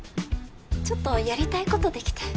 ちょっとやりたいこと出来て。